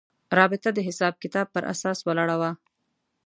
رابطه د حساب کتاب پر اساس ولاړه وه.